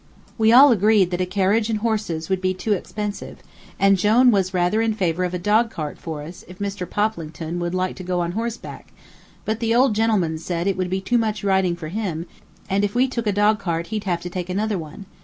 We all agreed that a carriage and horses would be too expensive, and Jone was rather in favor of a dogcart for us if Mr. Poplington would like to go on horseback; but the old gentleman said it would be too much riding for him, and if we took a dogcart he'd have to take another one.